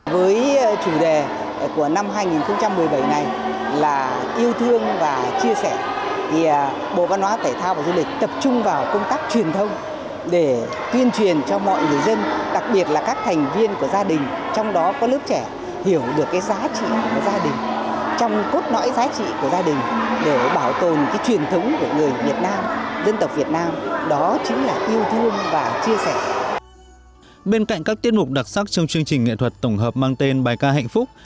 bên cạnh các tiết mục đặc sắc trong chương trình nghệ thuật tổng hợp mang tên bài ca hạnh phúc